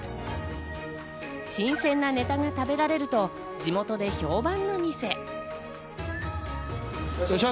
新鮮なネタが食べられると地元で評判の店。